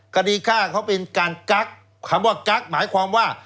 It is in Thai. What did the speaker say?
คดีฆ่าเขาเป็นการกั๊กคำว่ากั๊กหมายความว่า